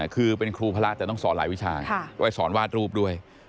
คือเป็นครูพระแต่ต้องสอนหลายวิชาไว้สอนวาดรูปด้วย